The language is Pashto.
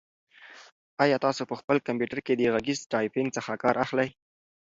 آیا تاسو په خپل کمپیوټر کې د غږیز ټایپنګ څخه کار اخلئ؟